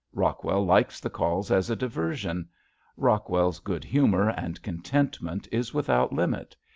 Rockwell likes the calls as a diversion. Rockwell's good humor and contentment is without limit.